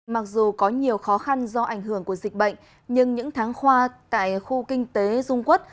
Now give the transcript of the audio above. mặc dù có nhiều khó khăn do ảnh hưởng của dịch bệnh nhưng những tháng khoa tại khu kinh tế dung quốc